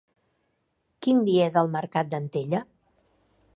Quin dia és el mercat d'Antella?